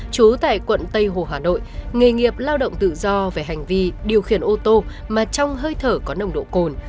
trú tại quận tây hồ hà nội nghề nghiệp lao động tự do về hành vi điều khiển ô tô mà trong hơi thở có nồng độ cồn